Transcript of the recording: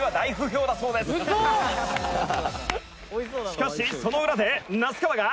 清水：「しかしその裏で那須川が」